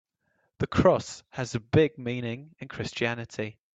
The cross has a big meaning in Christianity.